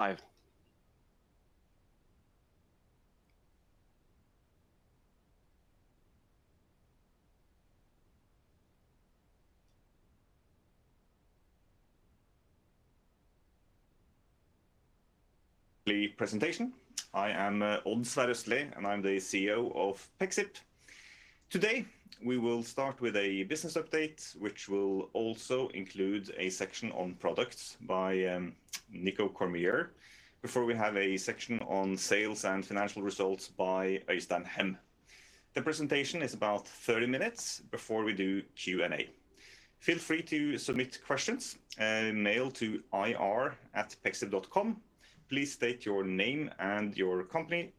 Live. Presentation. I am Odd Sverre Østlie, and I'm the CEO of Pexip. Today, we will start with a business update, which will also include a section on products by Nico Cormier, before we have a section on sales and financial results by Øystein Hem. The presentation is about 30 minutes before we do Q&A. Feel free to submit questions, mail to ir@pexip.com. Please state your name and your company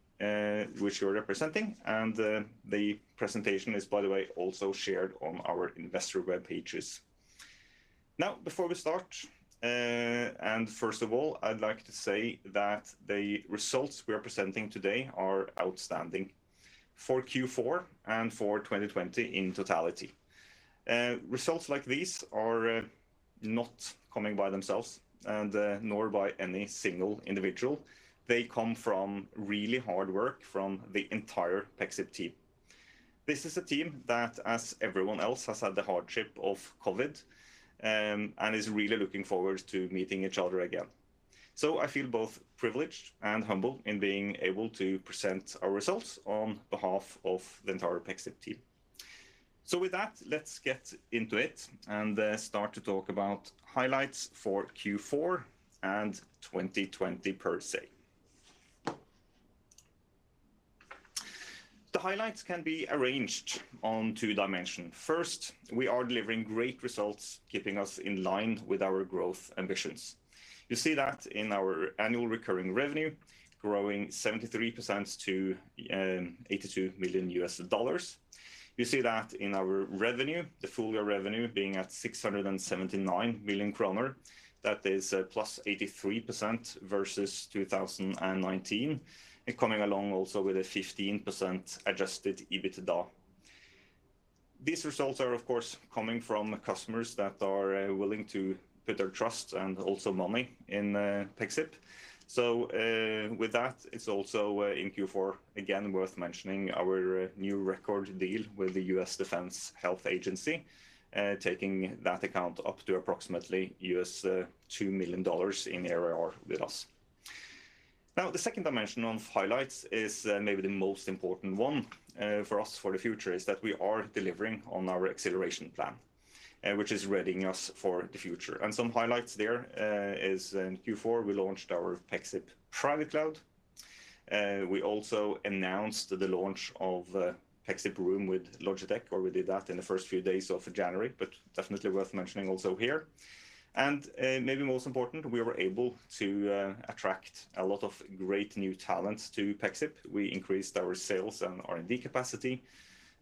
which you're representing. The presentation is, by the way, also shared on our investor web pages. Now, before we start, first of all, I'd like to say that the results we are presenting today are outstanding for Q4 and for 2020 in totality. Results like these are not coming by themselves and nor by any single individual. They come from really hard work from the entire Pexip team. This is a team that, as everyone else, has had the hardship of COVID-19, is really looking forward to meeting each other again. I feel both privileged and humble in being able to present our results on behalf of the entire Pexip team. With that, let's get into it and start to talk about highlights for Q4 and 2020 per se. The highlights can be arranged on two dimension. First, we are delivering great results, keeping us in line with our growth ambitions. You see that in our annual recurring revenue, growing 73% to $82 million U.S. You see that in our revenue, the full-year revenue being at 679 million kroner. That is +83% versus 2019, coming along also with a 15% adjusted EBITDA. These results are, of course, coming from customers that are willing to put their trust and also money in Pexip. With that, it's also in Q4, again, worth mentioning our new record deal with the U.S. Defense Health Agency, taking that account up to approximately $2 million in ARR with us. The second dimension of highlights is maybe the most important one for us for the future, is that we are delivering on our acceleration plan, which is readying us for the future. Some highlights there is in Q4, we launched our Pexip Private Cloud. We also announced the launch of Pexip Room with Logitech, or we did that in the first few days of January, but definitely worth mentioning also here. Maybe most important, we were able to attract a lot of great new talents to Pexip. We increased our sales and R&D capacity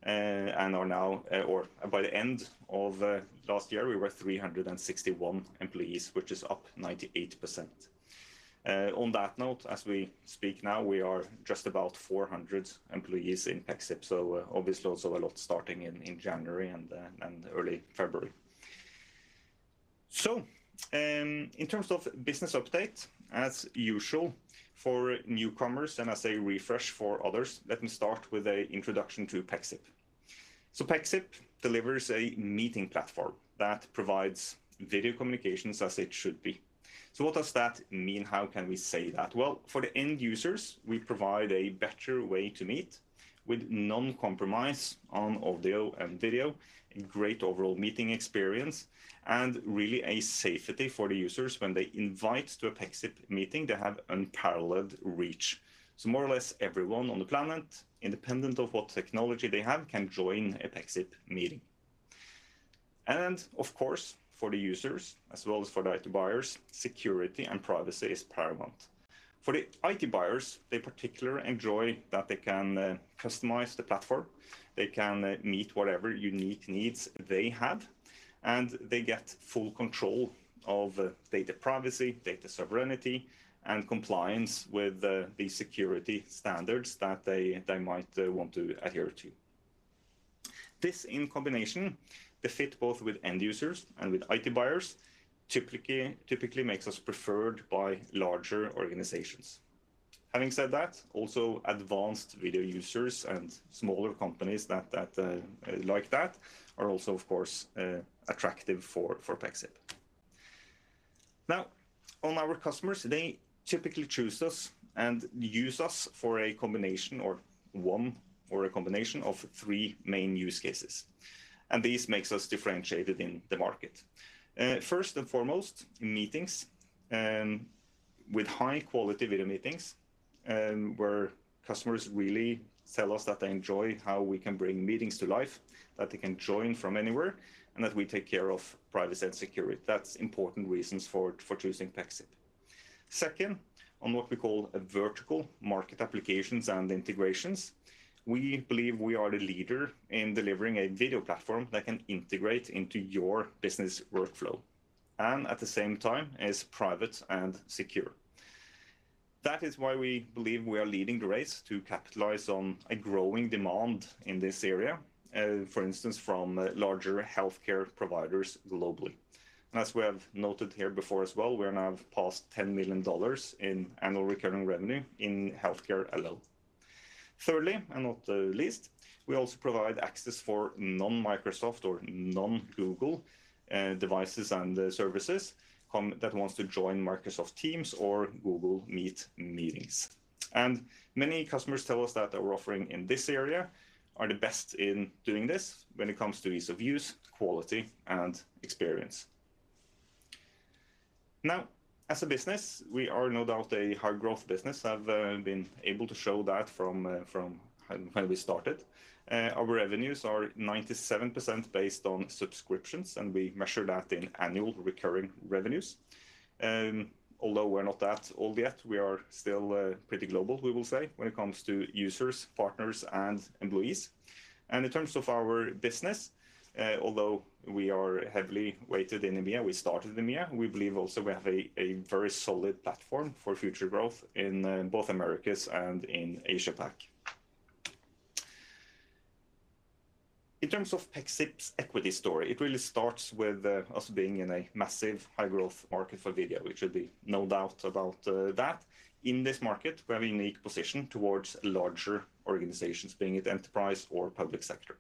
and are now, or by the end of last year, we were 361 employees, which is up 98%. On that note, as we speak now, we are just about 400 employees in Pexip, obviously also a lot starting in January and early February. In terms of business update, as usual for newcomers, and as a refresh for others, let me start with an introduction to Pexip. Pexip delivers a meeting platform that provides video communications as it should be. What does that mean? How can we say that? Well, for the end users, we provide a better way to meet with no compromise on audio and video, a great overall meeting experience, and really a safety for the users when they invite to a Pexip meeting, they have unparalleled reach. More or less everyone on the planet, independent of what technology they have, can join a Pexip meeting. Of course, for the users, as well as for the IT buyers, security and privacy is paramount. For the IT buyers, they particular enjoy that they can customize the platform, they can meet whatever unique needs they have, and they get full control of data privacy, data sovereignty, and compliance with the security standards that they might want to adhere to. This, in combination, the fit both with end users and with IT buyers, typically makes us preferred by larger organizations. Having said that, also advanced video users and smaller companies like that are also, of course, attractive for Pexip. Now, on our customers, they typically choose us and use us for a combination, or one, or a combination of three main use cases. This makes us differentiated in the market. First and foremost, meetings, with high-quality video meetings, where customers really tell us that they enjoy how we can bring meetings to life, that they can join from anywhere, and that we take care of privacy and security. That's important reasons for choosing Pexip. Second, on what we call a vertical market applications and integrations. We believe we are the leader in delivering a video platform that can integrate into your business workflow, and at the same time is private and secure. That is why we believe we are leading the race to capitalize on a growing demand in this area, for instance, from larger healthcare providers globally. As we have noted here before as well, we are now past $10 million in annual recurring revenue in healthcare alone. Thirdly, not the least, we also provide access for non-Microsoft or non-Google devices and services that want to join Microsoft Teams or Google Meet meetings. Many customers tell us that our offering in this area are the best in doing this when it comes to ease of use, quality, and experience. As a business, we are no doubt a high-growth business, have been able to show that from when we started. Our revenues are 97% based on subscriptions, and we measure that in annual recurring revenues. Although we're not that old yet, we are still pretty global, we will say, when it comes to users, partners, and employees. In terms of our business, although we are heavily weighted in EMEA, we started in EMEA, we believe also we have a very solid platform for future growth in both Americas and in Asia Pac. In terms of Pexip's equity story, it really starts with us being in a massive high-growth market for video. It should be no doubt about that. In this market, we have a unique position towards larger organizations, being it enterprise or public sector.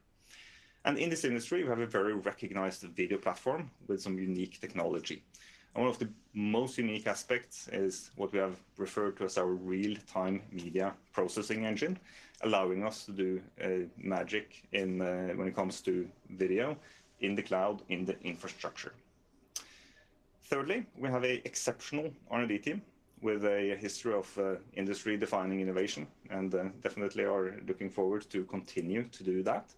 In this industry, we have a very recognized video platform with some unique technology. One of the most unique aspects is what we have referred to as our real-time media processing engine, allowing us to do magic when it comes to video in the cloud, in the infrastructure. Thirdly, we have an exceptional R&D team with a history of industry-defining innovation and definitely are looking forward to continue to do that.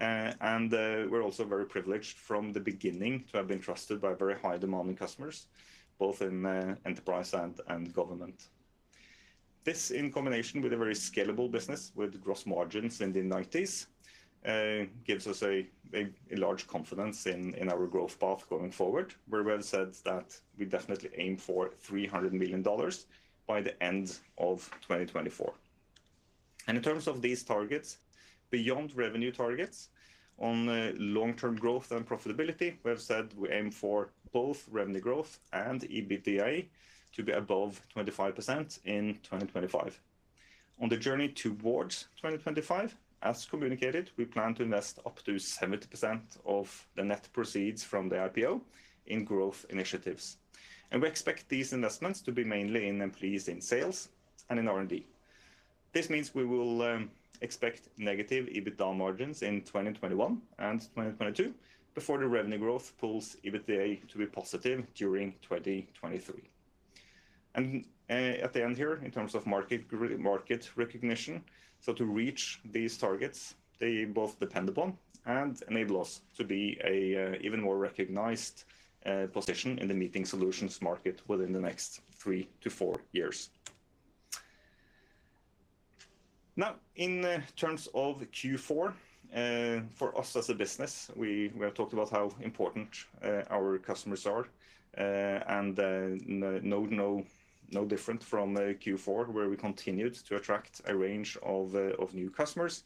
We're also very privileged from the beginning to have been trusted by very high-demand customers, both in enterprise and government. This, in combination with a very scalable business with gross margins in the 90s gives us a large confidence in our growth path going forward, where we have said that we definitely aim for $300 million by the end of 2024. In terms of these targets, beyond revenue targets, on long-term growth and profitability, we have said we aim for both revenue growth and EBITDA to be above 25% in 2025. On the journey towards 2025, as communicated, we plan to invest up to 70% of the net proceeds from the IPO in growth initiatives. We expect these investments to be mainly in employees in sales and in R&D. This means we will expect negative EBITDA margins in 2021 and 2022 before the revenue growth pulls EBITDA to be positive during 2023. At the end here, in terms of market recognition, to reach these targets, they both depend upon and enable us to be an even more recognized position in the meeting solutions market within the next three to four years. In terms of Q4, for us as a business, we have talked about how important our customers are. No different from Q4, where we continued to attract a range of new customers.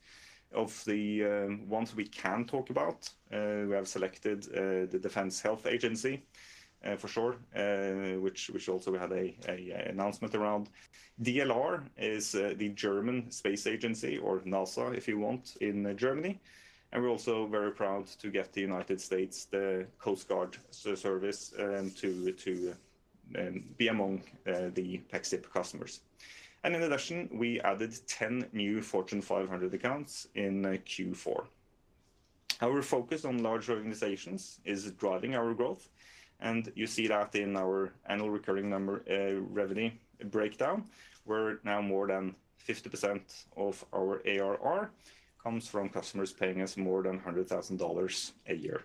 Of the ones we can talk about, we have selected the Defense Health Agency for sure, which also we had an announcement around. DLR is the German Space Agency, or NASA, if you want, in Germany. We're also very proud to get the United States Coast Guard service to be among the Pexip customers. In addition, we added 10 new Fortune 500 accounts in Q4. Our focus on large organizations is driving our growth. You see that in our annual recurring revenue breakdown. We're now more than 50% of our ARR comes from customers paying us more than $100,000 a year.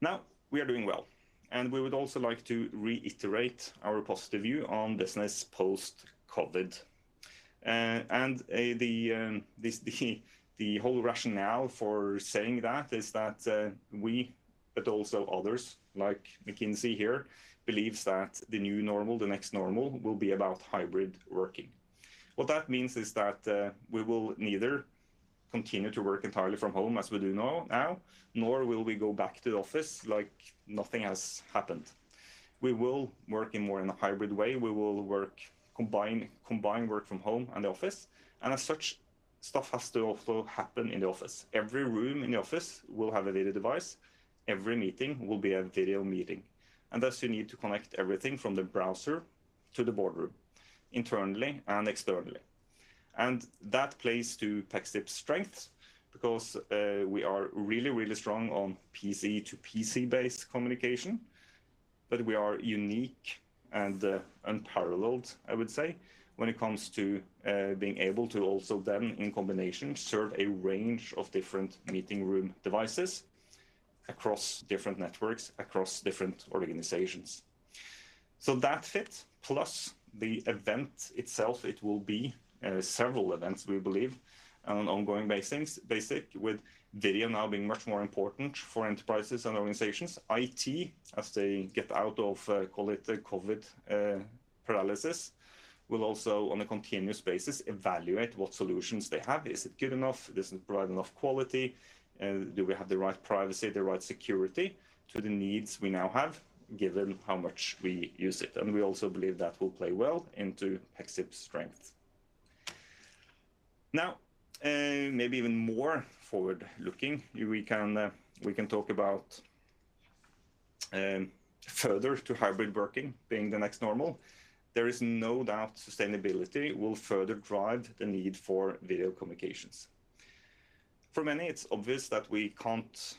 Now, we are doing well, and we would also like to reiterate our positive view on business post-COVID. The whole rationale for saying that is that we, but also others like McKinsey here, believes that the new normal, the next normal, will be about hybrid working. What that means is that we will neither continue to work entirely from home as we do now, nor will we go back to the office like nothing has happened. We will work more in a hybrid way. We will combine work from home and the office. As such, stuff has to also happen in the office. Every room in the office will have a video device. Every meeting will be a video meeting. Thus, you need to connect everything from the browser to the boardroom internally and externally. That plays to Pexip's strengths because we are really, really strong on PC to PC-based communication, but we are unique and unparalleled, I would say, when it comes to being able to also then in combination serve a range of different meeting room devices. Across different networks, across different organizations. That fit, plus the event itself, it will be several events, we believe, on an ongoing basis with video now being much more important for enterprises and organizations. IT, as they get out of, call it the COVID paralysis, will also, on a continuous basis, evaluate what solutions they have. Is it good enough? Does it provide enough quality? Do we have the right privacy, the right security to the needs we now have, given how much we use it? We also believe that will play well into Pexip's strength. Maybe even more forward-looking, we can talk about further to hybrid working being the next normal. There is no doubt sustainability will further drive the need for video communications. For many, it's obvious that we can't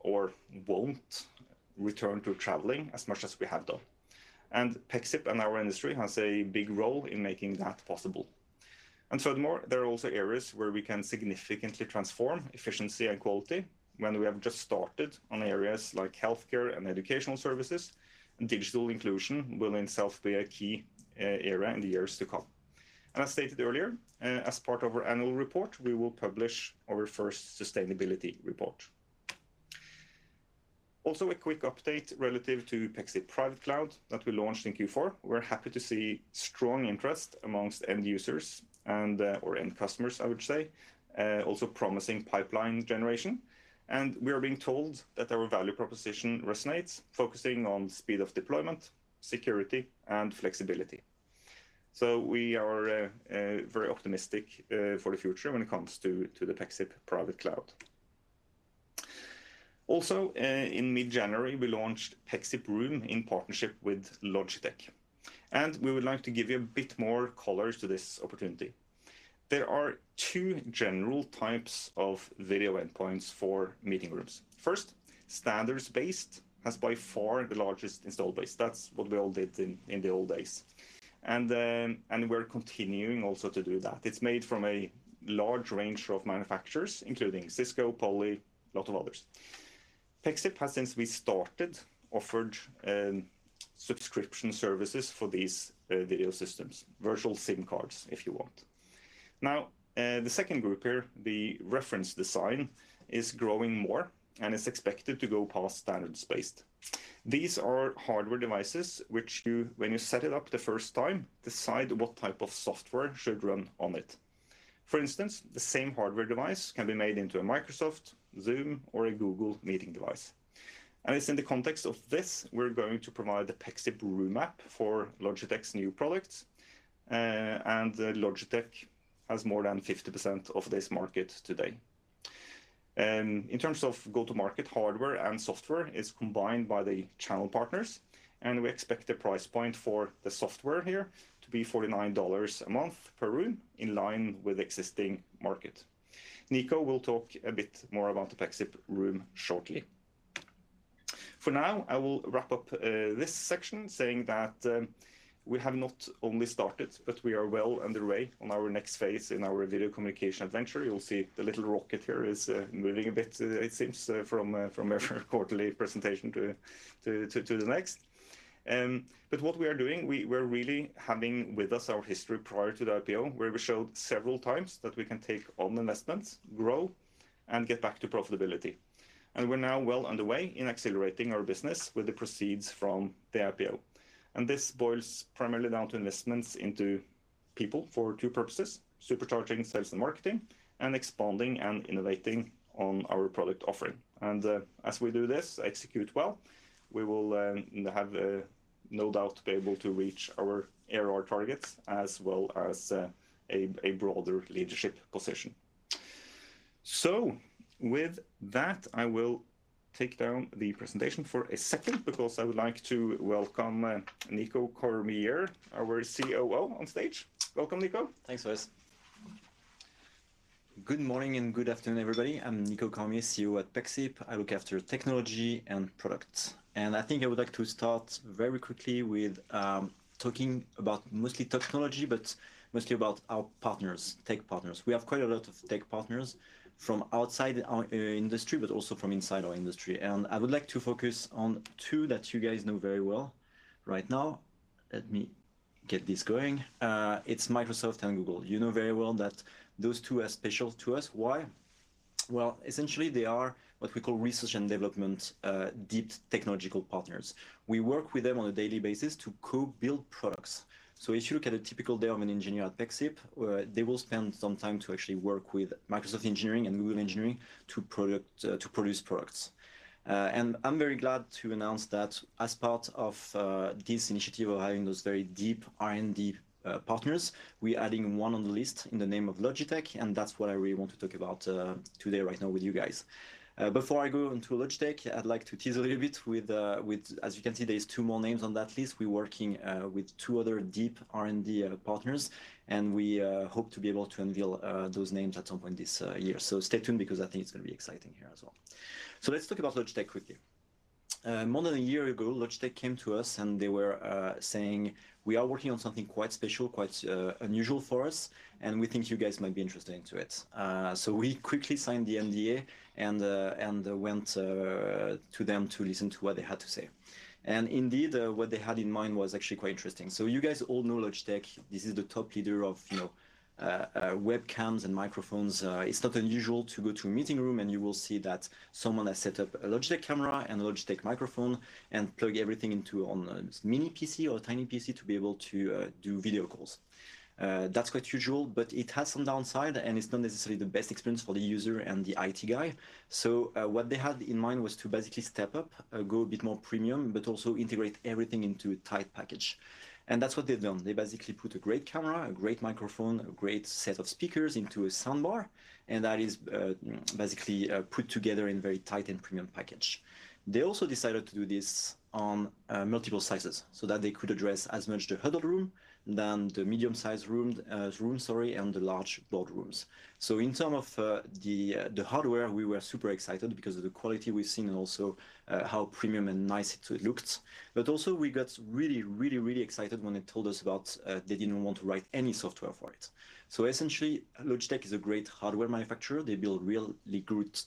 or won't return to traveling as much as we have done, and Pexip and our industry has a big role in making that possible. Furthermore, there are also areas where we can significantly transform efficiency and quality when we have just started on areas like healthcare and educational services, and digital inclusion will in itself be a key area in the years to come. I stated earlier, as part of our annual report, we will publish our first sustainability report. A quick update relative to Pexip Private Cloud that we launched in Q4. We're happy to see strong interest amongst end users and/or end customers, I would say. Promising pipeline generation. We are being told that our value proposition resonates, focusing on speed of deployment, security, and flexibility. We are very optimistic for the future when it comes to the Pexip Private Cloud. In mid-January, we launched Pexip Room in partnership with Logitech, and we would like to give you a bit more color to this opportunity. There are two general types of video endpoints for meeting rooms. First, standards-based has by far the largest install base. That's what we all did in the old days. We're continuing also to do that. It is made from a large range of manufacturers, including Cisco, Poly, a lot of others. Pexip has, since we started, offered subscription services for these video systems, virtual SIM cards, if you want. Now, the second group here, the reference design, is growing more and is expected to go past standards-based. These are hardware devices, which you, when you set it up the first time, decide what type of software should run on it. For instance, the same hardware device can be made into a Microsoft, Zoom, or a Google Meet device. And it is in the context of this, we are going to provide the Pexip Room app for Logitech's new products, and Logitech has more than 50% of this market today. In terms of go-to-market hardware and software, it's combined by the channel partners. We expect the price point for the software here to be NOK 49 a month per room, in line with existing market. Nico will talk a bit more about the Pexip Room shortly. For now, I will wrap up this section saying that we have not only started, but we are well underway on our next phase in our video communication adventure. You'll see the little rocket here is moving a bit, it seems, from our quarterly presentation to the next. What we are doing, we're really having with us our history prior to the IPO, where we showed several times that we can take on investments, grow, and get back to profitability. We're now well underway in accelerating our business with the proceeds from the IPO. This boils primarily down to investments into people for two purposes, supercharging sales and marketing and expanding and innovating on our product offering. As we do this, execute well, we will have no doubt be able to reach our ARR targets as well as a broader leadership position. With that, I will take down the presentation for a second because I would like to welcome Nico Cormier, our COO on stage. Welcome, Nico. Thanks, guys. Good morning and good afternoon, everybody. I'm Nico Cormier, COO at Pexip. I look after technology and product. I think I would like to start very quickly with talking about mostly technology, but mostly about our tech partners. We have quite a lot of tech partners from outside our industry, but also from inside our industry. I would like to focus on two that you guys know very well right now. Let me get this going. It's Microsoft and Google. You know very well that those two are special to us. Why? Well, essentially, they are what we call research and development deep technological partners. We work with them on a daily basis to co-build products. If you look at a typical day of an engineer at Pexip, where they will spend some time to actually work with Microsoft engineering and Google engineering to produce products. I'm very glad to announce that as part of this initiative of having those very deep R&D partners, we're adding one on the list in the name of Logitech, and that's what I really want to talk about today right now with you guys. Before I go into Logitech, I'd like to tease a little bit with, as you can see, there's two more names on that list. We're working with two other deep R&D partners, and we hope to be able to unveil those names at some point this year. Stay tuned because I think it's going to be exciting here as well. Let's talk about Logitech quickly. More than a year ago, Logitech came to us and they were saying, "We are working on something quite special, quite unusual for us, and we think you guys might be interested into it." We quickly signed the NDA and went to them to listen to what they had to say. Indeed, what they had in mind was actually quite interesting. You guys all know Logitech. This is the top leader of webcams and microphones. It's not unusual to go to a meeting room and you will see that someone has set up a Logitech camera and a Logitech microphone and plug everything into on a mini PC or a tiny PC to be able to do video calls. That's quite usual, but it has some downside, and it's not necessarily the best experience for the user and the IT guy. What they had in mind was to basically step up, go a bit more premium, but also integrate everything into a tight package. That's what they've done. They basically put a great camera, a great microphone, a great set of speakers into a soundbar, and that is basically put together in very tight and premium package. They also decided to do this on multiple sizes so that they could address as much the huddle room, then the medium size room, sorry, and the large boardrooms. In terms of the hardware, we were super excited because of the quality we've seen and also how premium and nice it looked. Also we got really excited when they told us about they didn't want to write any software for it. Essentially, Logitech is a great hardware manufacturer. They build really good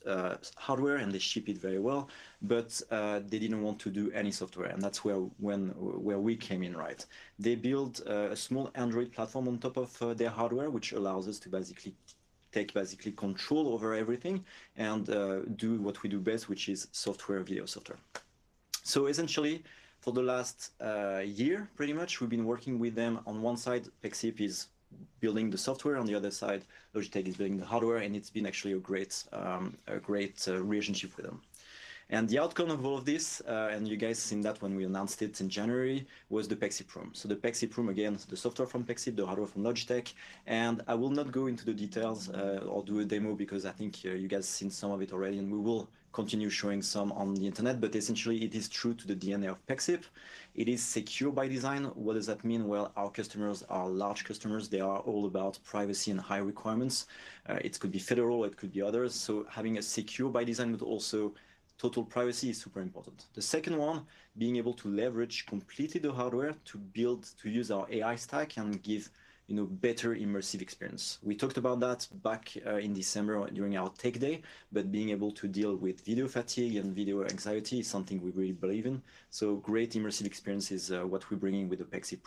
hardware, and they ship it very well, but they didn't want to do any software. That's where we came in. They build a small Android platform on top of their hardware, which allows us to basically take control over everything and do what we do best, which is software, video software. Essentially, for the last year, pretty much, we've been working with them on one side, Pexip is building the software, on the other side, Logitech is building the hardware, and it's been actually a great relationship with them. The outcome of all this, and you guys seen that when we announced it in January, was the Pexip Room. The Pexip Room, again, the software from Pexip, the hardware from Logitech, and I will not go into the details, or do a demo because I think you guys seen some of it already, and we will continue showing some on the internet. Essentially, it is true to the DNA of Pexip. It is secure by design. What does that mean? Our customers are large customers. They are all about privacy and high requirements. It could be federal, it could be others. Having a secure by design, but also total privacy is super important. The second one, being able to leverage completely the hardware to build, to use our AI stack and give better immersive experience. We talked about that back in December during our tech day, but being able to deal with video fatigue and video anxiety is something we really believe in. Great immersive experience is what we're bringing with the Pexip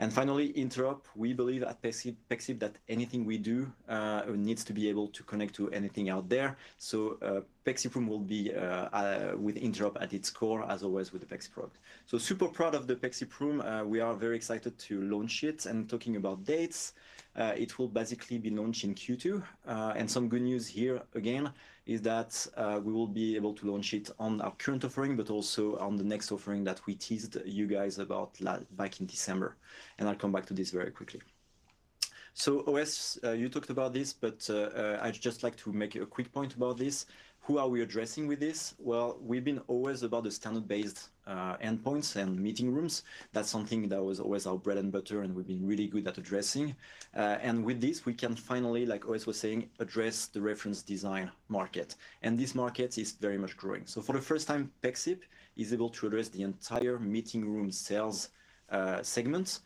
Room. Finally, Interop. We believe at Pexip that anything we do needs to be able to connect to anything out there. Pexip Room will be with Interop at its core, as always, with the Pexip product. Super proud of the Pexip Room. We are very excited to launch it, and talking about dates, it will basically be launched in Q2. Some good news here again is that we will be able to launch it on our current offering, but also on the next offering that we teased you guys about back in December. I'll come back to this very quickly. OS, you talked about this, but I'd just like to make a quick point about this. Who are we addressing with this? Well, we've been always about the standard-based endpoints and meeting rooms. That's something that was always our bread and butter, and we've been really good at addressing. With this, we can finally, like OS was saying, address the reference design market. This market is very much growing. For the first time, Pexip is able to address the entire meeting room sales segments.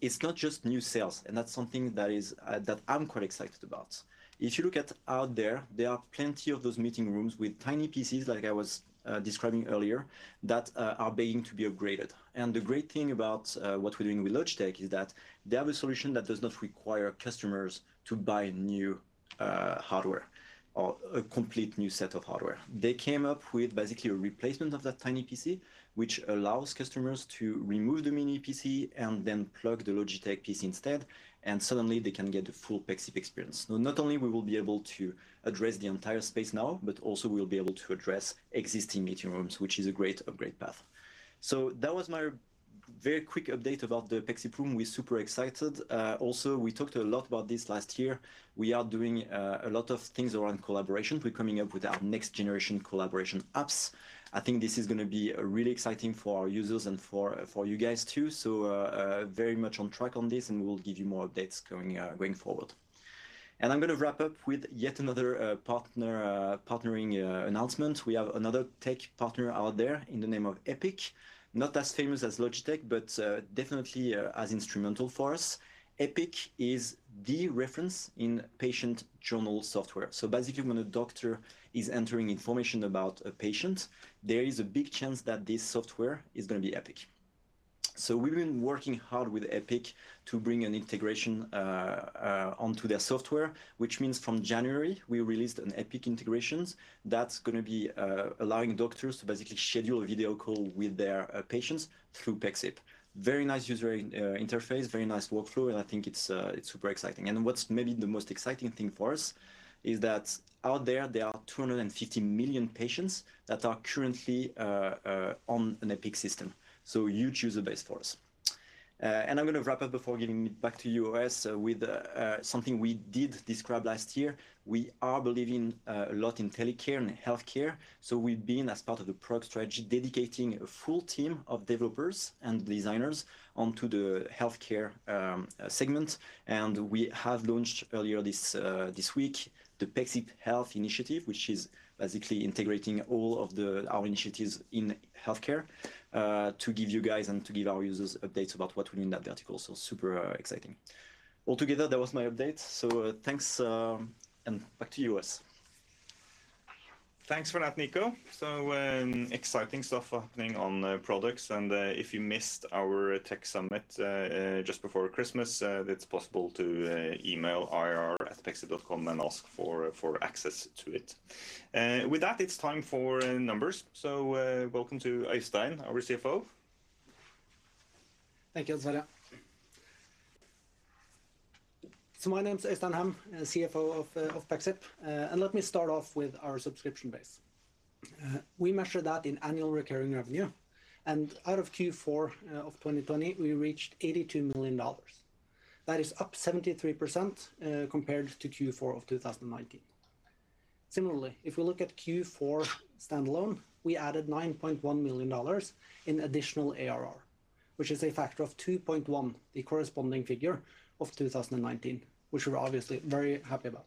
It's not just new sales, and that's something that I'm quite excited about. If you look out there are plenty of those meeting rooms with tiny PCs like I was describing earlier that are begging to be upgraded. The great thing about what we're doing with Logitech is that they have a solution that does not require customers to buy new hardware or a complete new set of hardware. They came up with basically a replacement of that tiny PC, which allows customers to remove the mini PC and then plug the Logitech PC instead, and suddenly they can get the full Pexip experience. Not only we will be able to address the entire space now, but also we'll be able to address existing meeting rooms, which is a great upgrade path. That was my very quick update about the Pexip Room. We're super excited. We talked a lot about this last year. We are doing a lot of things around collaboration. We're coming up with our next generation collaboration apps. I think this is going to be really exciting for our users and for you guys, too. Very much on track on this, and we will give you more updates going forward. I'm going to wrap up with yet another partnering announcement. We have another tech partner out there in the name of Epic, not as famous as Logitech, but definitely as instrumental for us. Epic is the reference in patient journal software. Basically, when a doctor is entering information about a patient, there is a big chance that this software is going to be Epic. We've been working hard with Epic to bring an integrations onto their software, which means from January, we released an Epic integrations that's going to be allowing doctors to basically schedule a video call with their patients through Pexip. Very nice user interface, very nice workflow, and I think it's super exciting. What's maybe the most exciting thing for us is that out there are 250 million patients that are currently on an Epic system. Huge user base for us. I'm going to wrap up before giving it back to you, OS, with something we did describe last year. We are believing a lot in telecare and healthcare. We've been, as part of the product strategy, dedicating a full team of developers and designers onto the healthcare segment. We have launched earlier this week the Pexip Health Initiative, which is basically integrating all of our initiatives in healthcare, to give you guys and to give our users updates about what we're doing in that vertical. Super exciting. Altogether, that was my update. Thanks, and back to you, OS Thanks for that, Nico. Exciting stuff happening on products, and if you missed our tech summit just before Christmas, it's possible to email ir@pexip.com and ask for access to it. With that, it's time for numbers. Welcome to Øystein, our CFO. Thank you, Sverre. My name is Øystein Hem, CFO of Pexip. Let me start off with our subscription base. We measure that in annual recurring revenue. Out of Q4 2020, we reached $82 million. That is up 73% compared to Q4 2019. Similarly, if we look at Q4 standalone, we added $9.1 million in additional ARR, which is a factor of 2.1 the corresponding figure of 2019, which we're obviously very happy about.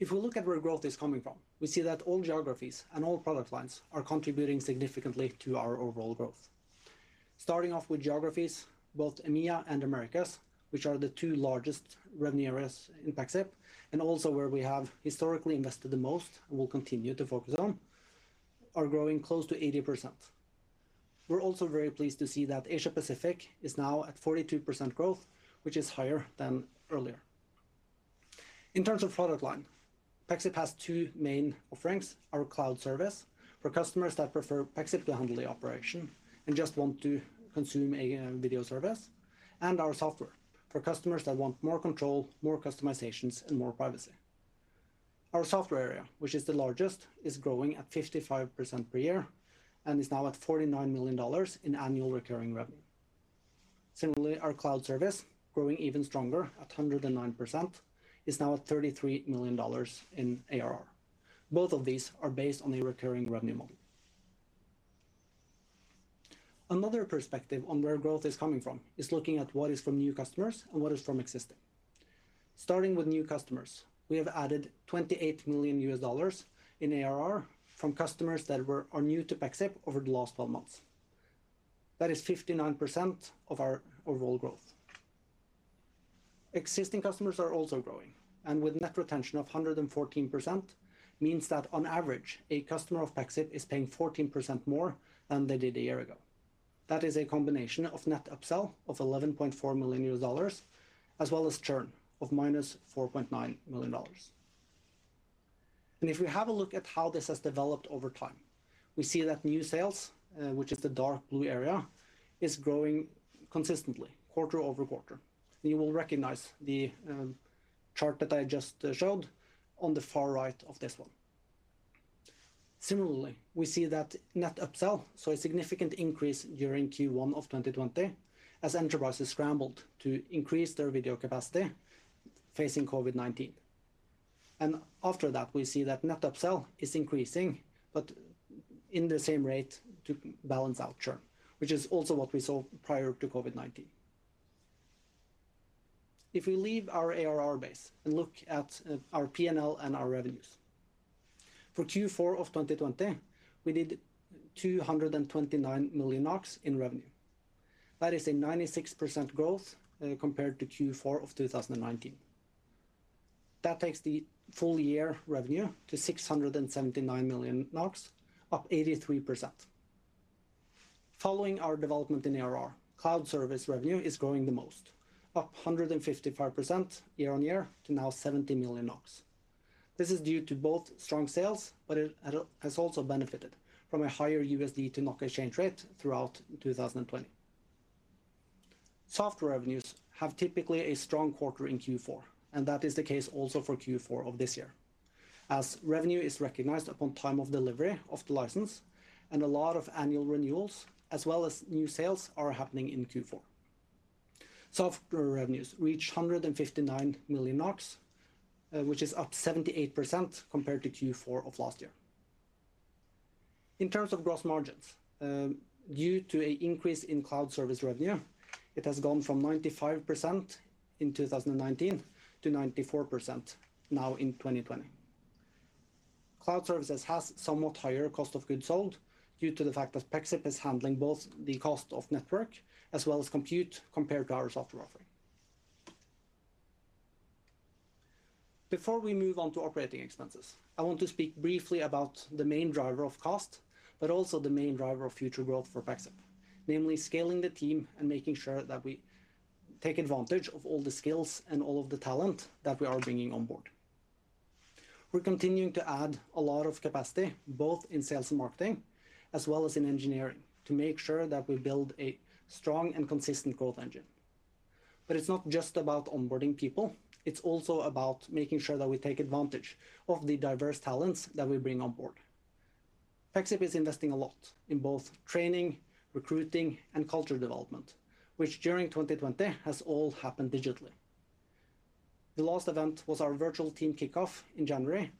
If we look at where growth is coming from, we see that all geographies and all product lines are contributing significantly to our overall growth. Starting off with geographies, both EMEA and Americas, which are the two largest revenue areas in Pexip, and also where we have historically invested the most and will continue to focus on, are growing close to 80%. We're also very pleased to see that Asia-Pacific is now at 42% growth, which is higher than earlier. In terms of product line, Pexip has two main offerings, our cloud service for customers that prefer Pexip to handle the operation and just want to consume a video service, and our software for customers that want more control, more customizations, and more privacy. Our software area, which is the largest, is growing at 55% per year and is now at $49 million in annual recurring revenue. Similarly, our cloud service, growing even stronger at 109%, is now at $33 million in ARR. Both of these are based on a recurring revenue model. Another perspective on where growth is coming from is looking at what is from new customers and what is from existing. Starting with new customers, we have added $28 million in ARR from customers that are new to Pexip over the last 12 months. That is 59% of our overall growth. Existing customers are also growing, and with net retention of 114%, means that on average, a customer of Pexip is paying 14% more than they did a year ago. That is a combination of net upsell of $11.4 million, as well as churn of -$4.9 million. If we have a look at how this has developed over time, we see that new sales, which is the dark blue area, is growing consistently quarter-over-quarter. You will recognize the chart that I just showed on the far right of this one. Similarly, we see that net upsell saw a significant increase during Q1 of 2020 as enterprises scrambled to increase their video capacity facing COVID-19. After that, we see that net upsell is increasing but in the same rate to balance out churn, which is also what we saw prior to COVID-19. If we leave our ARR base and look at our P&L and our revenues. For Q4 of 2020, we did 229 million NOK in revenue. That is a 96% growth compared to Q4 of 2019. That takes the full year revenue to 679 million, up 83%. Following our development in ARR, cloud service revenue is growing the most, up 155% year-on-year to now 70 million NOK. This is due to both strong sales, but it has also benefited from a higher USD to NOK exchange rate throughout 2020. Software revenues have typically a strong quarter in Q4. That is the case also for Q4 of this year, as revenue is recognized upon time of delivery of the license and a lot of annual renewals as well as new sales are happening in Q4. Software revenues reach 159 million NOK, which is up 78% compared to Q4 of last year. In terms of gross margins, due to an increase in cloud service revenue, it has gone from 95% in 2019 to 94% now in 2020. Cloud services has somewhat higher cost of goods sold due to the fact that Pexip is handling both the cost of network as well as compute compared to our software offering. Before we move on to operating expenses, I want to speak briefly about the main driver of cost, but also the main driver of future growth for Pexip, namely scaling the team and making sure that we take advantage of all the skills and all of the talent that we are bringing on board. We're continuing to add a lot of capacity, both in sales and marketing, as well as in engineering to make sure that we build a strong and consistent growth engine. It's not just about onboarding people, it's also about making sure that we take advantage of the diverse talents that we bring on board. Pexip is investing a lot in both training, recruiting, and culture development, which during 2020 has all happened digitally. The last event was our virtual team kickoff in January,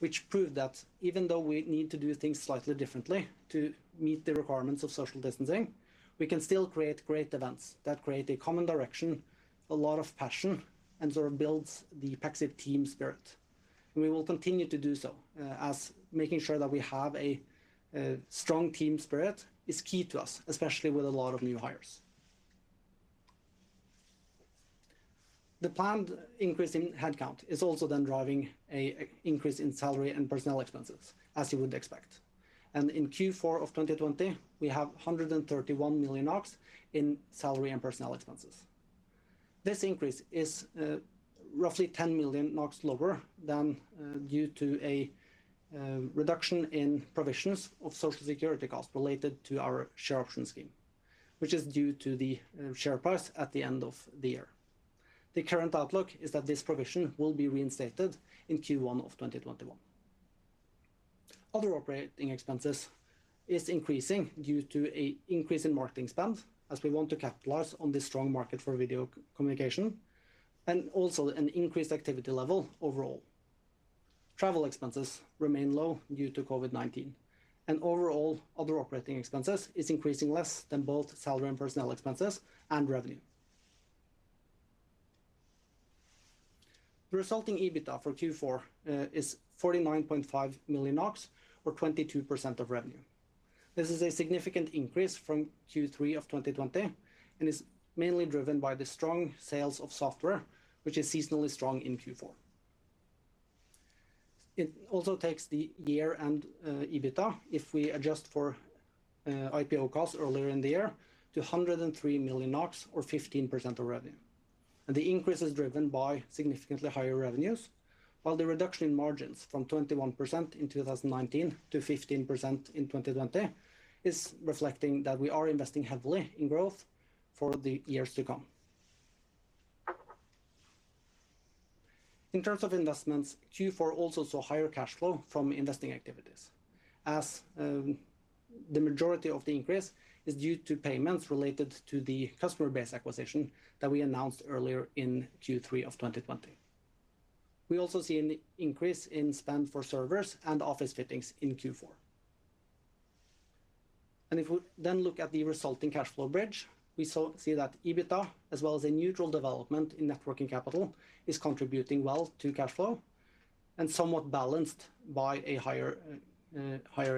which proved that even though we need to do things slightly differently to meet the requirements of social distancing, we can still create great events that create a common direction, a lot of passion, and sort of builds the Pexip team spirit. We will continue to do so, as making sure that we have a strong team spirit is key to us, especially with a lot of new hires. The planned increase in headcount is also then driving an increase in salary and personnel expenses, as you would expect. In Q4 of 2020, we have 131 million in salary and personnel expenses. This increase is roughly 10 million NOK lower than due to a reduction in provisions of Social Security costs related to our share option scheme, which is due to the share price at the end of the year. The current outlook is that this provision will be reinstated in Q1 of 2021. Other operating expenses is increasing due to a increase in marketing spend, as we want to capitalize on this strong market for video communication, and also an increased activity level overall. Travel expenses remain low due to COVID-19, and overall, other operating expenses is increasing less than both salary and personnel expenses, and revenue. The resulting EBITDA for Q4 is 49.5 million or 22% of revenue. This is a significant increase from Q3 of 2020, and is mainly driven by the strong sales of software, which is seasonally strong in Q4. It also takes the year-end EBITDA if we adjust for IPO costs earlier in the year to 103 million NOK or 15% of revenue. The increase is driven by significantly higher revenues, while the reduction in margins from 21% in 2019 to 15% in 2020 is reflecting that we are investing heavily in growth for the years to come. In terms of investments, Q4 also saw higher cash flow from investing activities, as the majority of the increase is due to payments related to the customer base acquisition that we announced earlier in Q3 of 2020. We also see an increase in spend for servers and office fittings in Q4. If we then look at the resulting cash flow bridge, we see that EBITDA, as well as a neutral development in net working capital, is contributing well to cash flow and somewhat balanced by a higher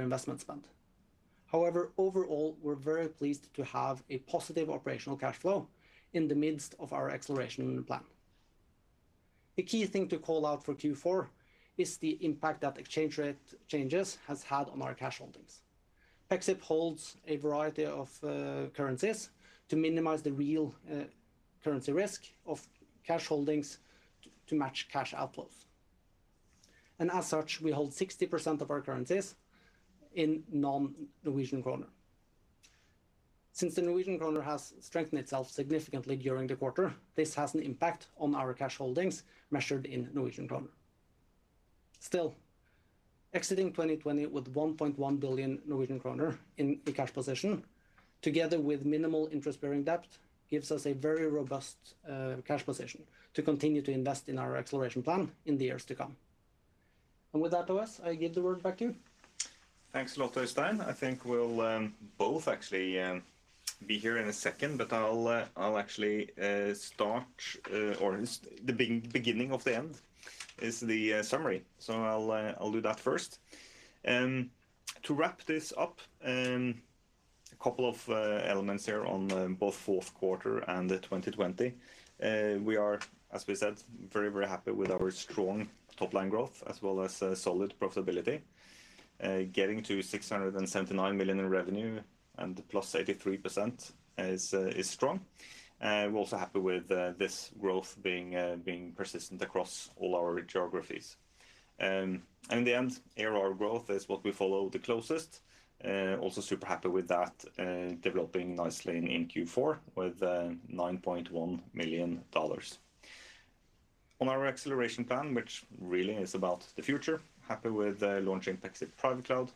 investment spend. However, overall, we're very pleased to have a positive operational cash flow in the midst of our acceleration plan. The key thing to call out for Q4 is the impact that exchange rate changes has had on our cash holdings. Pexip holds a variety of currencies to minimize the real currency risk of cash holdings to match cash outflows. As such, we hold 60% of our currencies in non-Norwegian kroner. Since the Norwegian kroner has strengthened itself significantly during the quarter, this has an impact on our cash holdings measured in Norwegian kroner. Still, exiting 2020 with 1.1 billion Norwegian kroner in the cash position, together with minimal interest-bearing debt, gives us a very robust cash position to continue to invest in our acceleration plan in the years to come. With that, OS, I give the word back to you. Thanks a lot, Øystein. I think we'll both actually be here in a second, but I'll actually start, or the beginning of the end is the summary, so I'll do that first. To wrap this up, a couple of elements here on both Q4 and the 2020. We are, as we said, very happy with our strong top-line growth as well as solid profitability. Getting to 679 million in revenue and +83% is strong. We're also happy with this growth being persistent across all our geographies. In the end, ARR growth is what we follow the closest. Also super happy with that developing nicely in Q4 with $9.1 million. On our acceleration plan, which really is about the future, happy with launching Pexip Private Cloud.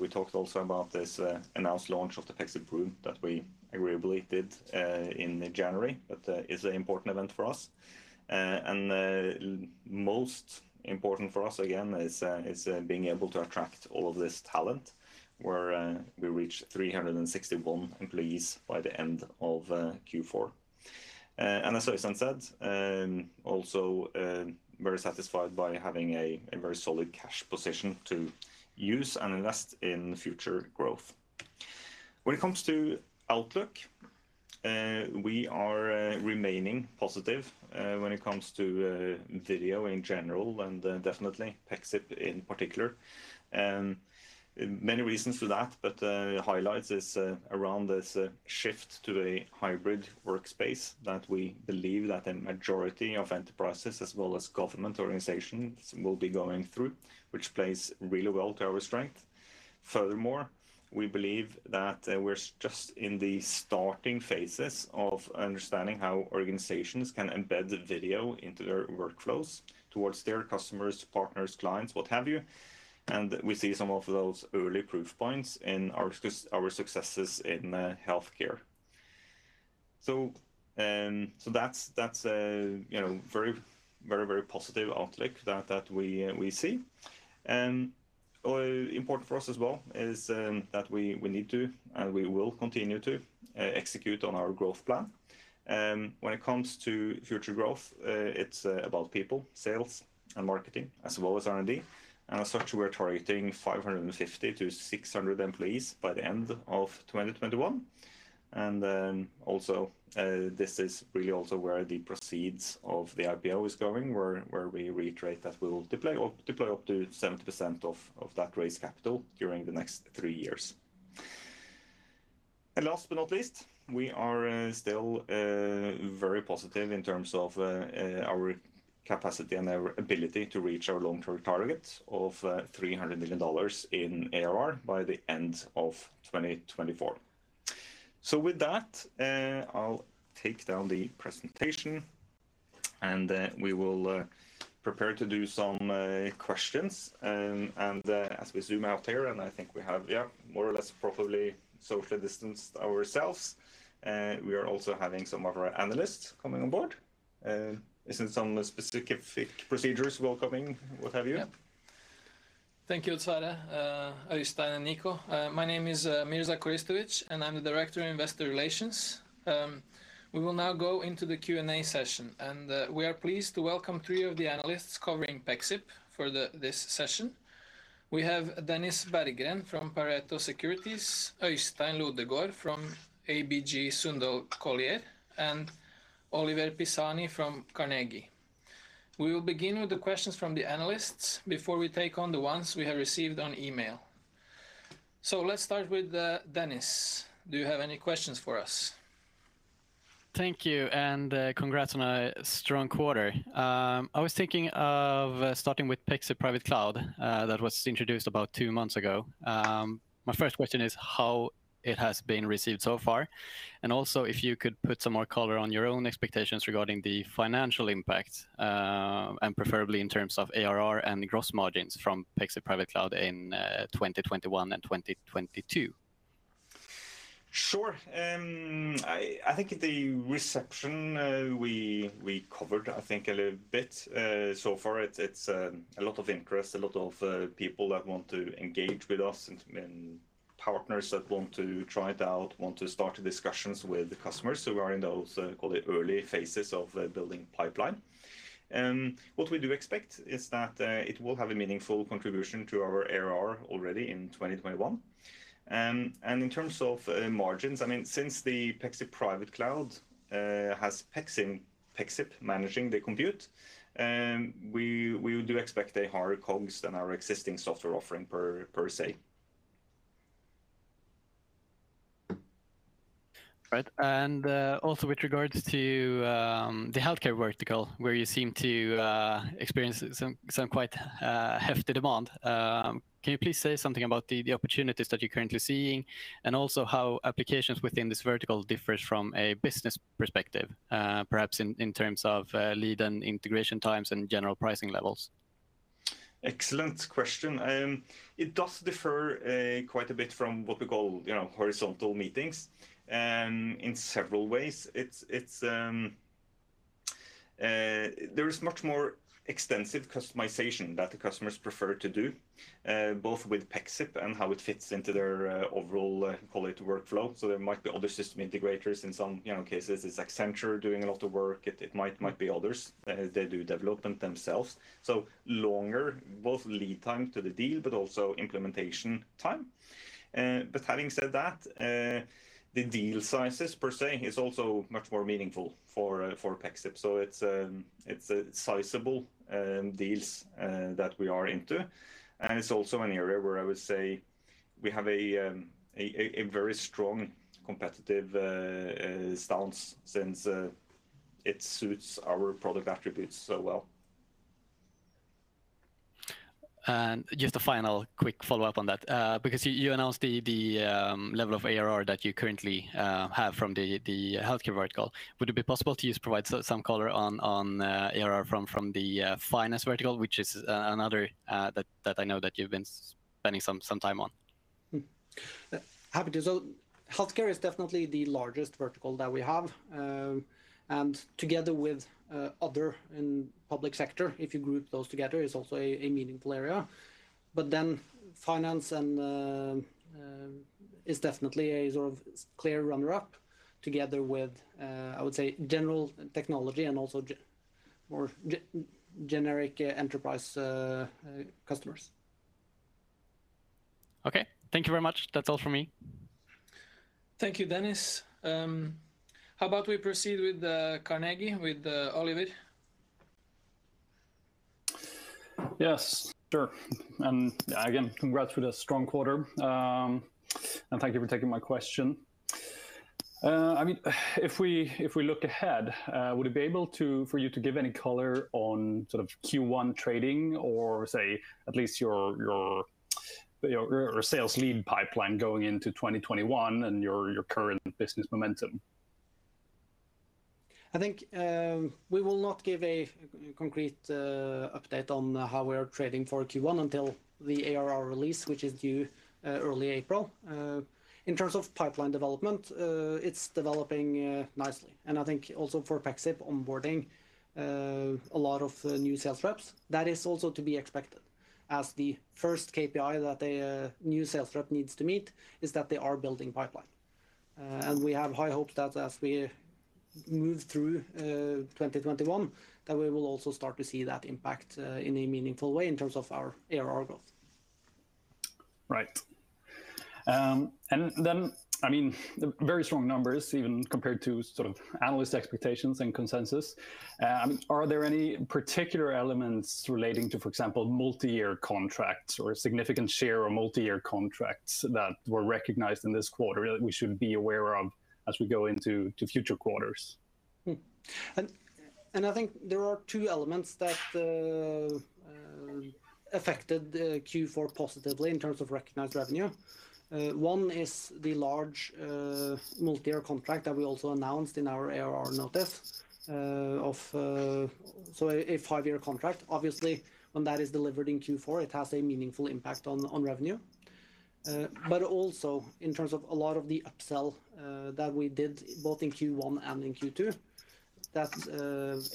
We talked also about this announced launch of the Pexip Room that we agreeably did in January, but is an important event for us. Most important for us, again, is being able to attract all of this talent where we reach 361 employees by the end of Q4. As Øystein said, also very satisfied by having a very solid cash position to use and invest in future growth. When it comes to outlook, we are remaining positive when it comes to video in general and definitely Pexip in particular. Many reasons for that, but the highlight is around this shift to a hybrid workspace that we believe that a majority of enterprises, as well as government organizations, will be going through, which plays really well to our strength. Furthermore, we believe that we're just in the starting phases of understanding how organizations can embed the video into their workflows towards their customers, partners, clients, what have you. We see some of those early proof points in our successes in healthcare. That's a very positive outlook that we see. Important for us as well is that we need to, and we will continue to execute on our growth plan. When it comes to future growth, it's about people, sales, and marketing, as well as R&D. As such, we're targeting 550 to 600 employees by the end of 2021. This is really also where the proceeds of the IPO is going, where we reiterate that we will deploy up to 70% of that raised capital during the next three years. Last but not least, we are still very positive in terms of our capacity and our ability to reach our long-term target of $300 million in ARR by the end of 2024. With that, I'll take down the presentation, and we will prepare to do some questions. As we zoom out here, and I think we have, yeah, more or less probably socially distanced ourselves. We are also having some of our analysts coming on board. Isn't some specific procedures welcoming, what have you? Yeah. Thank you, Øystein and Nico. My name is Mirza Koristovic, and I'm the director of investor relations. We will now go into the Q&A session, and we are pleased to welcome three of the analysts covering Pexip for this session. We have Dennis Berggren from Pareto Securities, Øystein Lodgaard from ABG Sundal Collier, and Oliver Pisani from Carnegie. We will begin with the questions from the analysts before we take on the ones we have received on email. Let's start with Dennis. Do you have any questions for us? Thank you, and congrats on a strong quarter. I was thinking of starting with Pexip Private Cloud, that was introduced about two months ago. My first question is how it has been received so far, and also if you could put some more color on your own expectations regarding the financial impact, and preferably in terms of ARR and gross margins from Pexip Private Cloud in 2021 and 2022. Sure. I think the reception we covered, I think a little bit. Far it's a lot of interest, a lot of people that want to engage with us and partners that want to try it out, want to start discussions with the customers who are in those early phases of building pipeline. What we do expect is that it will have a meaningful contribution to our ARR already in 2021. In terms of margins, since the Pexip Private Cloud has Pexip managing the compute, we do expect a higher COGS than our existing software offering per se. Right. Also with regards to the healthcare vertical, where you seem to experience some quite hefty demand, can you please say something about the opportunities that you're currently seeing, and also how applications within this vertical differs from a business perspective? Perhaps in terms of lead and integration times and general pricing levels. Excellent question. It does differ quite a bit from what we call horizontal meetings in several ways. There is much more extensive customization that the customers prefer to do, both with Pexip and how it fits into their overall call it workflow. There might be other system integrators in some cases. It's Accenture doing a lot of work. It might be others. They do development themselves, so longer both lead time to the deal, but also implementation time. Having said that, the deal sizes per se is also much more meaningful for Pexip. It's sizable deals that we are into, and it's also an area where I would say we have a very strong competitive stance since it suits our product attributes so well. Just a final quick follow-up on that. You announced the level of ARR that you currently have from the healthcare vertical. Would it be possible to just provide some color on ARR from the finance vertical, which is another that I know that you've been spending some time on? Happy to. Healthcare is definitely the largest vertical that we have. Together with other in public sector, if you group those together, it's also a meaningful area. Finance is definitely a clear runner-up together with, I would say, general technology and also more generic enterprise customers. Okay. Thank you very much. That's all from me. Thank you, Dennis. How about we proceed with Carnegie, with Oliver? Yes, sure. Again, congrats with a strong quarter. Thank you for taking my question. If we look ahead, would it be able for you to give any color on Q1 trading or say at least your sales lead pipeline going into 2021 and your current business momentum? I think we will not give a concrete update on how we are trading for Q1 until the ARR release, which is due early April. In terms of pipeline development, it's developing nicely, and I think also for Pexip onboarding a lot of new sales reps. That is also to be expected as the first KPI that a new sales rep needs to meet is that they are building pipeline. We have high hopes that as we move through 2021, that we will also start to see that impact in a meaningful way in terms of our ARR growth. Right. Very strong numbers even compared to analyst expectations and consensus. Are there any particular elements relating to, for example, multi-year contracts or a significant share of multi-year contracts that were recognized in this quarter that we should be aware of as we go into future quarters? I think there are two elements that affected Q4 positively in terms of recognized revenue. One is the large multi-year contract that we also announced in our ARR notice, so a five-year contract. Obviously, when that is delivered in Q4, it has a meaningful impact on revenue. Also in terms of a lot of the upsell that we did both in Q1 and in Q2,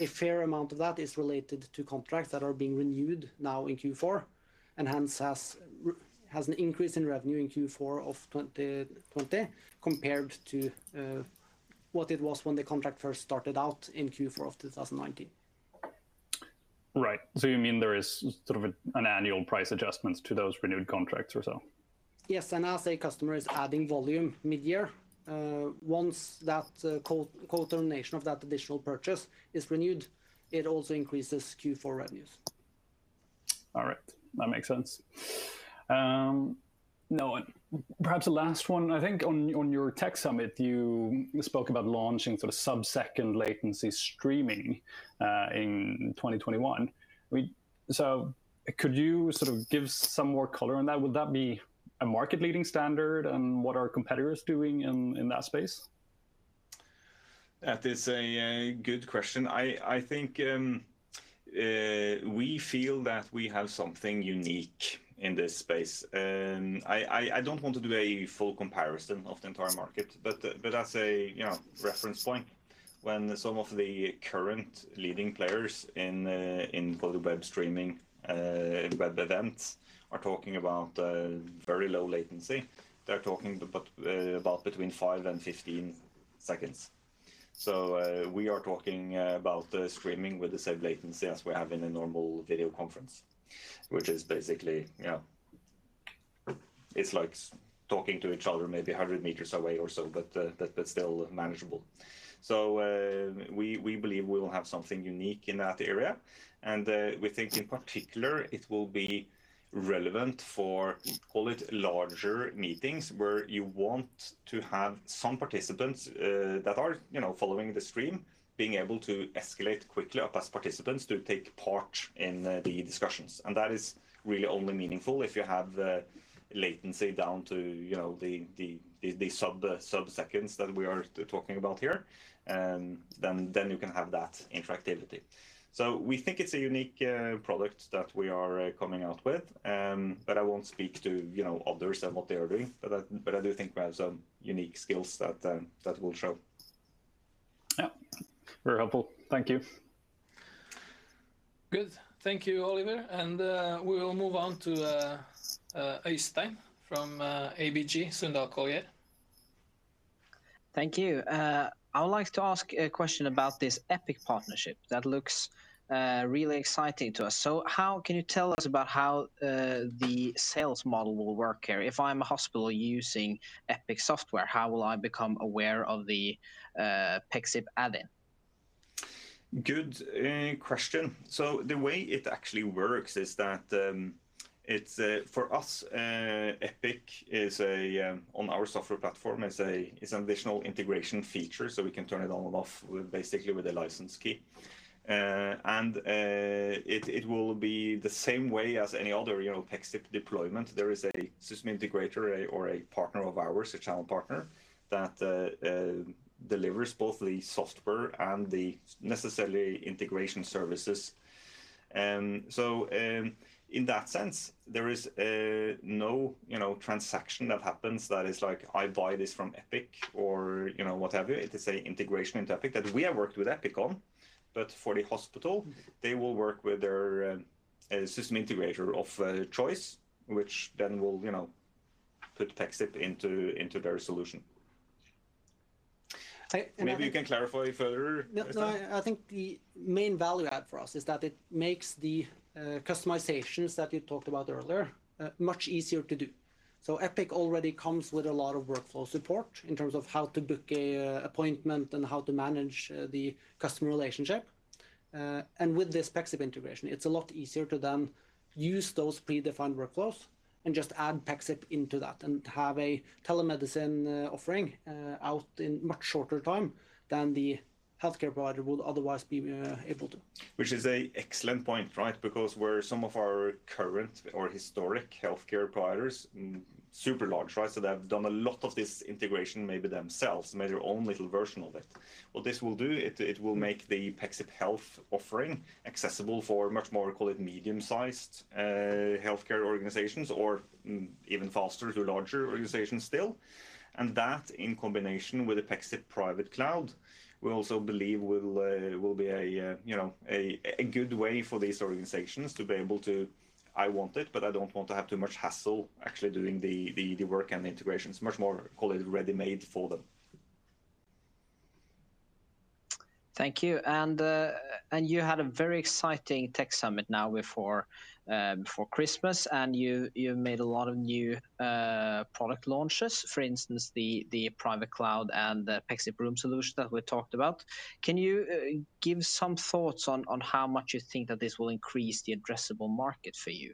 a fair amount of that is related to contracts that are being renewed now in Q4, and hence has an increase in revenue in Q4 of 2020 compared to what it was when the contract first started out in Q4 of 2019. Right. You mean there is sort of an annual price adjustment to those renewed contracts or so? Yes, as a customer is adding volume mid-year, once that quotation of that additional purchase is renewed, it also increases Q4 revenues. All right. That makes sense. Now, perhaps the last one, I think on your tech summit, you spoke about launching sub-second latency streaming in 2021. Could you give some more color on that? Would that be a market leading standard and what are competitors doing in that space? That is a good question. I think we feel that we have something unique in this space. I don't want to do a full comparison of the entire market, but as a reference point, when some of the current leading players in both the web streaming, web events are talking about very low latency, they're talking about between five and 15 seconds. We are talking about streaming with the same latency as we have in a normal video conference, which is basically, it's like talking to each other maybe 100 meters away or so, but still manageable. We believe we will have something unique in that area, and we think in particular it will be relevant for, call it larger meetings where you want to have some participants that are following the stream, being able to escalate quickly up as participants to take part in the discussions. That is really only meaningful if you have the latency down to the sub-seconds that we are talking about here. You can have that interactivity. We think it's a unique product that we are coming out with. I won't speak to others and what they are doing, but I do think we have some unique skills that will show. Yeah. Very helpful. Thank you. Good. Thank you, Oliver. We will move on to Øystein from ABG Sundal Collier. Thank you. I would like to ask a question about this Epic partnership that looks really exciting to us. Can you tell us about how the sales model will work here? If I'm a hospital using Epic software, how will I become aware of the Pexip add-in? Good question. The way it actually works is that, for us, Epic is on our software platform as an additional integration feature, we can turn it on and off basically with a license key. It will be the same way as any other Pexip deployment. There is a system integrator or a partner of ours, a channel partner that delivers both the software and the necessary integration services. In that sense, there is no transaction that happens that is like I buy this from Epic or what have you. It is an integration into Epic that we have worked with Epic on. For the hospital, they will work with their system integrator of choice, which then will put Pexip into their solution. Maybe you can clarify further, Øystein. No, I think the main value add for us is that it makes the customizations that you talked about earlier much easier to do. Epic already comes with a lot of workflow support in terms of how to book an appointment and how to manage the customer relationship. With this Pexip integration, it's a lot easier to then use those predefined workflows and just add Pexip into that and have a telemedicine offering out in much shorter time than the healthcare provider would otherwise be able to. Which is an excellent point, right? Because some of our current or historic healthcare providers, super large, right? They've done a lot of this integration maybe themselves, made their own little version of it. What this will do, it will make the Pexip Health offering accessible for much more, call it medium-sized healthcare organizations or even faster to larger organizations still. That, in combination with the Pexip Private Cloud, we also believe will be a good way for these organizations to be able to, I want it, but I don't want to have too much hassle actually doing the work and the integration. It's much more, call it ready-made for them. Thank you. You had a very exciting tech summit now before Christmas, and you made a lot of new product launches. For instance, the Private Cloud and the Pexip Room solution that we talked about. Can you give some thoughts on how much you think that this will increase the addressable market for you?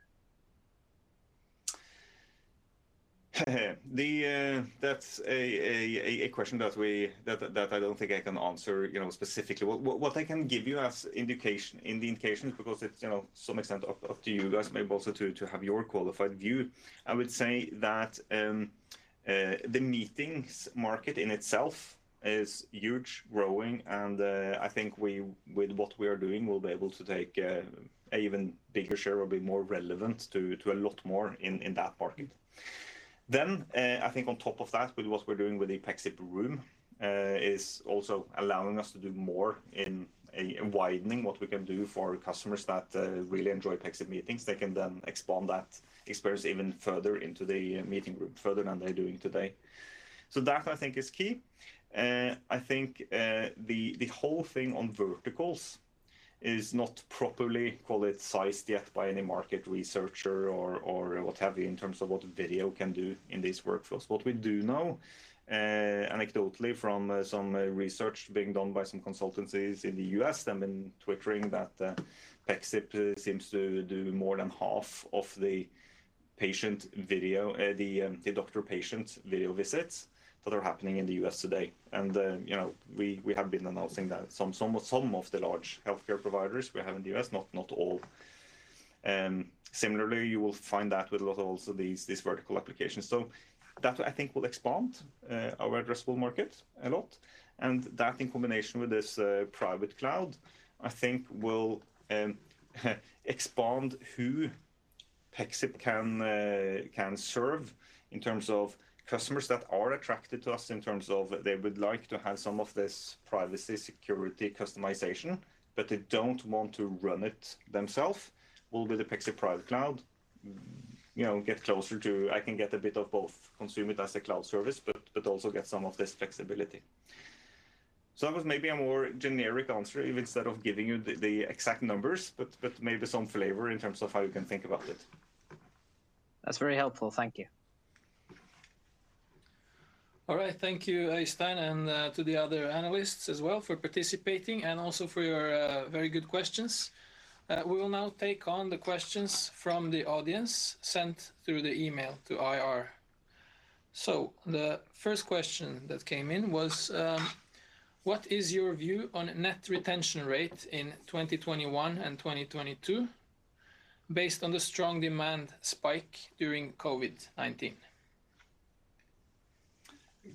That's a question that I don't think I can answer specifically. What I can give you as an indication, because it's to some extent up to you guys maybe also to have your qualified view, I would say that the meetings market in itself is huge, growing, and I think with what we are doing, we'll be able to take an even bigger share or be more relevant to a lot more in that market. I think on top of that, with what we're doing with the Pexip Room is also allowing us to do more in widening what we can do for customers that really enjoy Pexip meetings. They can then expand that experience even further into the meeting room, further than they're doing today. That I think is key. I think the whole thing on verticals is not properly, call it, sized yet by any market researcher or what have you, in terms of what video can do in these workflows. What we do know anecdotally from some research being done by some consultancies in the U.S., they've been twittering that Pexip seems to do more than half of the doctor-patient video visits that are happening in the U.S. today. We have been announcing that some of the large healthcare providers we have in the U.S., not all. Similarly, you will find that with a lot of these vertical applications. That I think will expand our addressable market a lot, and that in combination with this private cloud, I think will expand who Pexip can serve in terms of customers that are attracted to us, in terms of they would like to have some of this privacy, security customization, but they don't want to run it themselves, will be the Pexip Private Cloud get closer to I can get a bit of both, consume it as a cloud service, but also get some of this flexibility. That was maybe a more generic answer instead of giving you the exact numbers, but maybe some flavor in terms of how you can think about it. That's very helpful. Thank you. All right. Thank you, Øystein, and to the other analysts as well for participating and also for your very good questions. We will now take on the questions from the audience sent through email to ir@pexip.com. The first question that came in was, "What is your view on net retention rate in 2021 and 2022 based on the strong demand spike during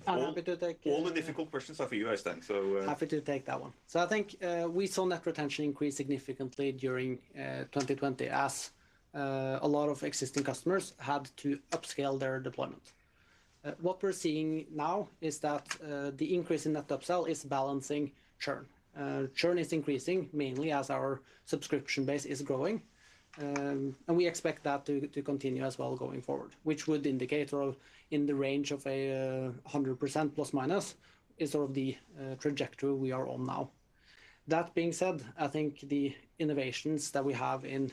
COVID-19? All the difficult questions are for you, Øystein. Happy to take that one. I think we saw net retention increase significantly during 2020 as a lot of existing customers had to upscale their deployment. What we're seeing now is that the increase in net upsell is balancing churn. Churn is increasing mainly as our subscription base is growing. We expect that to continue as well going forward, which would indicate in the range of 100% plus minus is sort of the trajectory we are on now. That being said, I think the innovations that we have in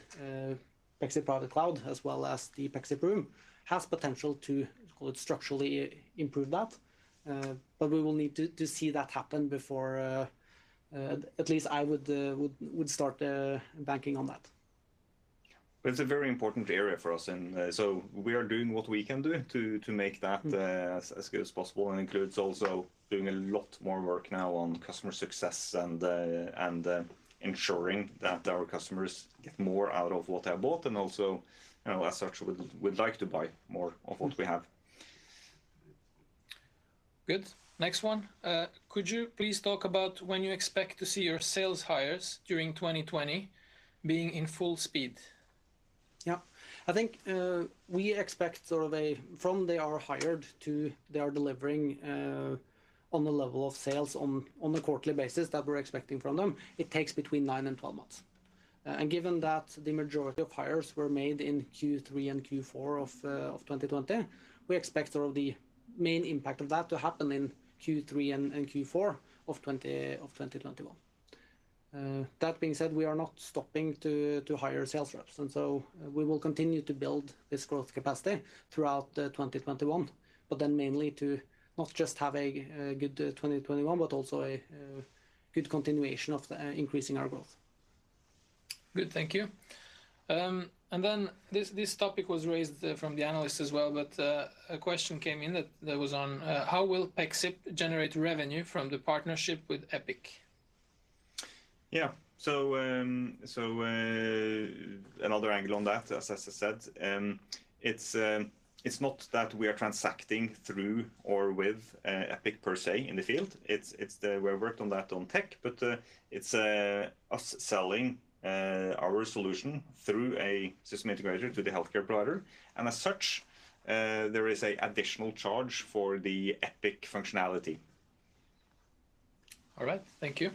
Pexip Private Cloud as well as the Pexip Room has potential to, call it, structurally improve that. We will need to see that happen before at least I would start banking on that. It's a very important area for us. We are doing what we can do to make that as good as possible, and includes also doing a lot more work now on customer success and ensuring that our customers get more out of what they have bought, and also, as such, would like to buy more of what we have. Good. Next one. Could you please talk about when you expect to see your sales hires during 2020 being in full speed? Yeah. I think we expect sort of from they are hired to they are delivering on the level of sales on a quarterly basis that we're expecting from them, it takes between nine and 12 months. Given that the majority of hires were made in Q3 and Q4 of 2020, we expect the main impact of that to happen in Q3 and Q4 of 2021. That being said, we are not stopping to hire sales reps, and so we will continue to build this growth capacity throughout 2021, but then mainly to not just have a good 2021 but also a good continuation of increasing our growth. Good. Thank you. This topic was raised from the analyst as well, but a question came in that was on how will Pexip generate revenue from the partnership with Epic? Yeah. Another angle on that, as Øystein said, it's not that we are transacting through or with Epic per se in the field. We have worked on that on tech, but it's us selling our solution through a system integrator to the healthcare provider, and as such, there is an additional charge for the Epic functionality. All right. Thank you.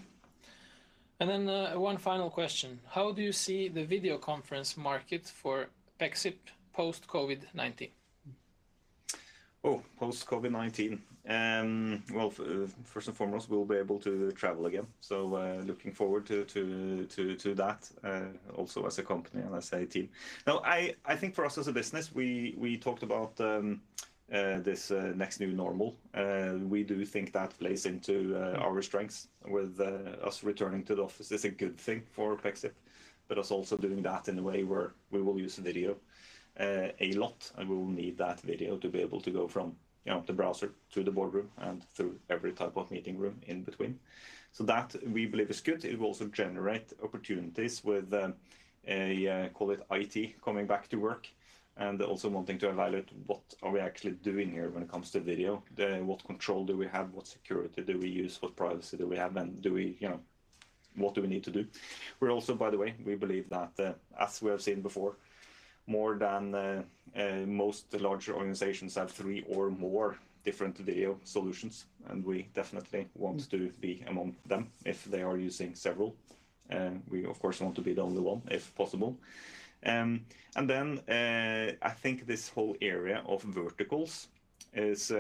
One final question. How do you see the video conference market for Pexip post-COVID-19? Post-COVID-19. Well, first and foremost, we'll be able to travel again. Looking forward to that, also as a company and as a team. I think for us as a business, we talked about this next new normal. We do think that plays into our strengths with us returning to the office is a good thing for Pexip, us also doing that in a way where we will use video a lot, and we will need that video to be able to go from the browser to the boardroom and through every type of meeting room in between. That we believe is good. It will also generate opportunities with, call it IT, coming back to work and also wanting to evaluate what are we actually doing here when it comes to video? What control do we have? What security do we use? What privacy do we have, and what do we need to do? We're also, by the way, we believe that as we have seen before, more than most larger organizations have three or more different video solutions, and we definitely want to be among them if they are using several. We, of course, want to be the only one if possible. I think this whole area of verticals is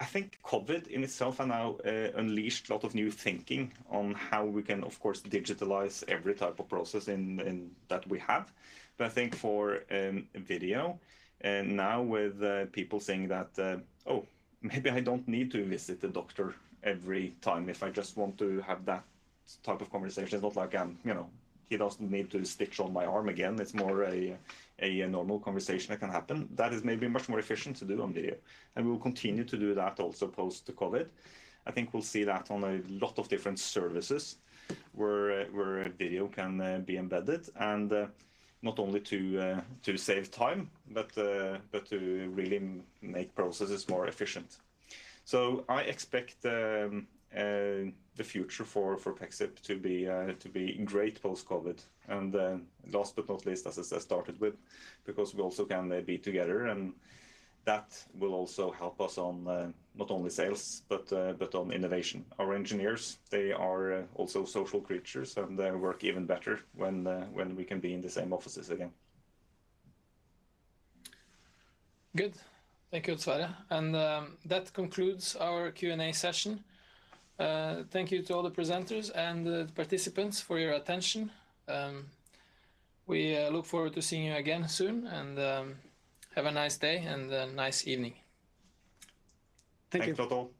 I think COVID-19 in itself has now unleashed a lot of new thinking on how we can, of course, digitalize every type of process that we have. I think for video and now with people saying that, "Oh, maybe I don't need to visit the doctor every time if I just want to have that type of conversation." It's not like he doesn't need to stitch on my arm again. It's more a normal conversation that can happen. That is maybe much more efficient to do on video, and we will continue to do that also post-COVID-19. I think we'll see that on a lot of different services where video can be embedded and not only to save time, but to really make processes more efficient. So I expect the future for Pexip to be great post-COVID-19. Then last but not least, as I started with, because we also can be together, and that will also help us on not only sales but on innovation. Our engineers, they are also social creatures, and they work even better when we can be in the same offices again. Good. Thank you, Sverre. That concludes our Q&A session. Thank you to all the presenters and participants for your attention. We look forward to seeing you again soon, and have a nice day and a nice evening. Thank you.